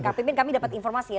kang pimpin kami dapat informasi ya